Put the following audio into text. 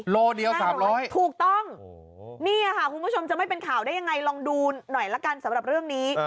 โลเดียว๓๐๐ถูกต้องนี่ค่ะคุณผู้ชมจะไม่เป็นข่าวได้ยังไงลองดูหน่อยละกันสำหรับเรื่องนี้